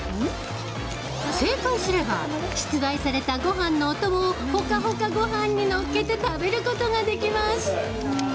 正解すれば出題されたごはんのお供をホカホカごはんにのっけて食べることができます。